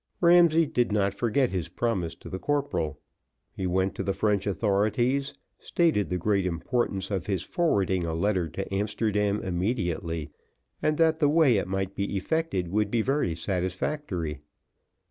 Ramsay did not forget his promise to the corporal. He went to the French authorities, stated the great importance of his forwarding a letter to Amsterdam immediately, and that the way it might be effected would be very satisfactory.